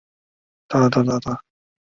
以医院作为背景之喜剧片。